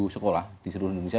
sekolah di seluruh indonesia